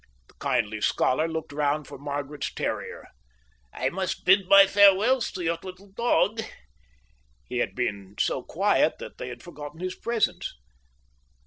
The kindly scholar looked round for Margaret's terrier… "I must bid my farewells to your little dog." He had been so quiet that they had forgotten his presence.